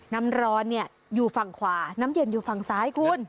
น้ำร้อนอยู่ฝั่งขวาน้ำเย็นอยู่ฝั่งซ้ายคุณ